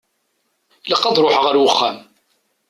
Ilaq ad ṛuḥeɣ ar uxxam.